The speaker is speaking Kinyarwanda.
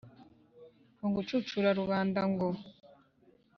mu gucucura rubanda ngo